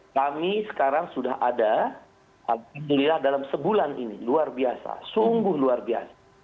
kami sekarang sudah ada alhamdulillah dalam sebulan ini luar biasa sungguh luar biasa